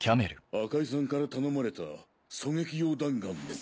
赤井さんから頼まれた狙撃用弾丸の。